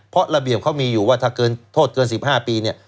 เพราะระเบียบเขามีอยู่ว่าถ้าเกินโทษเกิน๑๕ปีเนี่ย